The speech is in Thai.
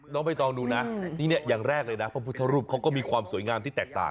น้องไปตอบนูนะอย่างแรกว่าผุตรูปเขาก็มีความสวยงามที่แตกต่าง